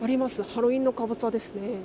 ハロウィーンのかぼちゃですね。